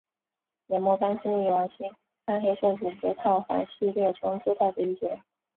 炎魔斑是冥王星暗黑色指节套环系列中最大的一节。